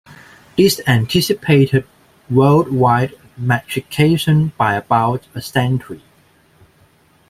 This anticipated worldwide metrication by about a century.